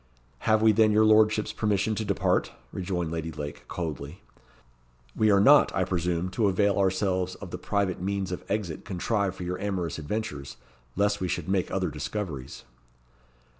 "Have we then your lordship's permission to depart?" rejoined Lady Lake, coldly. "We are not, I presume, to avail ourselves of the private means of exit contrived for your amorous adventures, lest we should make other discoveries."